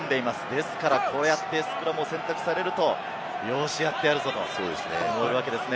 ですから、こうやってスクラムを選択されると、よし、やってやるぞ！というわけですね。